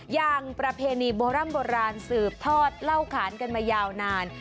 อย่างประเพณีโบร่ำโบราณสืบทอดเล่าขานกันมายาวนาน